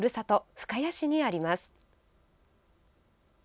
深谷市にあります。